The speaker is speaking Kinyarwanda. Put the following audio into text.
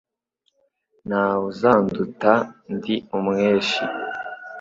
Nta we uzanduta ndi umweshi,